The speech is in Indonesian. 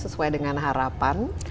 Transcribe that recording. sesuai dengan harapan